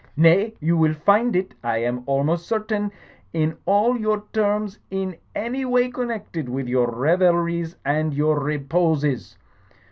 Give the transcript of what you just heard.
"Nay, you will find it, I am almost certain, in all your terms in any way connected with your revelries and your reposes.